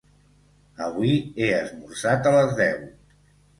Avui he esmorzat a les deu.